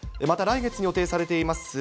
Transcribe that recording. また来月に予定されています